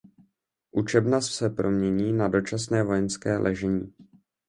Učebna se promění na dočasné vojenské ležení.